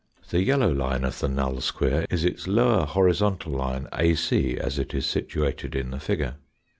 The yellow line of the null square is its lower horizontal line AC as it is situated in the figure.